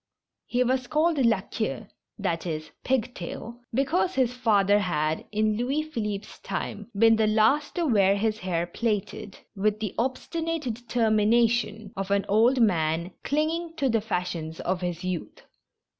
lie was called La Queue {i, e.. Pig tail) because his father had, in Louis Philippe's time, been the last to wear his hair plaited, with the obstinate determination of an old man clinging to the fashions of his youth.